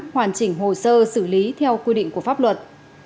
hoàn chỉnh hồ sơ xử lý theo quy định của pháp luật